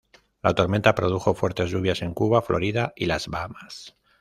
La tormenta produjo fuertes lluvias en Cuba, Florida y las Bahamas.